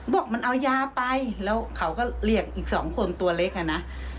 บอกมันเอายาไปแล้วเขาก็เรียกอีกสองคนตัวเล็กอ่ะนะ